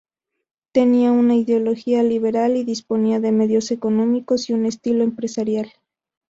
Tenía una ideología liberal y disponía de medios económicos y un estilo empresarial.